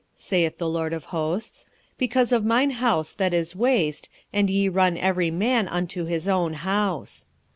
saith the LORD of hosts. Because of mine house that is waste, and ye run every man unto his own house.